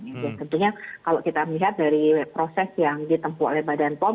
jadi tentunya kalau kita melihat dari proses yang ditempuh oleh badan pom